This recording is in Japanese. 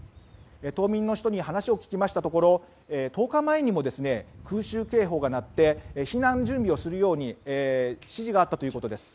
島民の人に話を聞きましたところ１０日前にも空襲警報が鳴って避難準備をするように指示があったということです。